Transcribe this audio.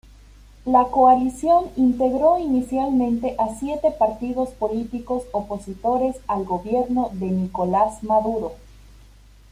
La coalición integró inicialmente a siete partidos políticos opositores al Gobierno de Nicolás Maduro.